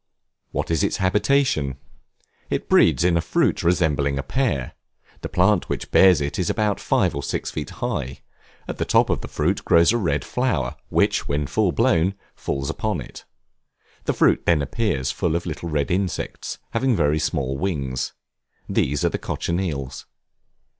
What is its habitation? It breeds in a fruit resembling a pear; the plant which bears it is about five or six feet high; at the top of the fruit grows a red flower, which when full blown, falls upon it; the fruit then appears full of little red insects, having very small wings. These are the Cochineals.